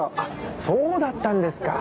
そうだったんですか。